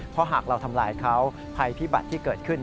เพราะหากเราทำลายเขาภัยพิบัติที่เกิดขึ้น